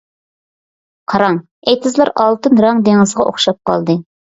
قاراڭ، ئېتىزلار ئالتۇن رەڭ دېڭىزغا ئوخشاپ قالدى.